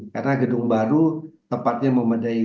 karena gedung baru tepatnya memadai